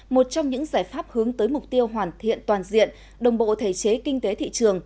một trong những giải pháp hướng tới mục tiêu hoàn thiện toàn diện đồng bộ thể chế kinh tế thị trường